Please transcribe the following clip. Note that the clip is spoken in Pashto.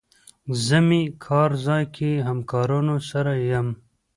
زه مې کار ځای کې همکارانو سره یم.